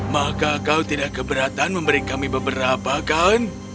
maka kau tidak keberatan memberi kami beberapa kan